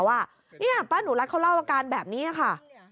ว่านี่ป้าหนูรัฐเขาเล่าอาการแบบนี้ค่ะ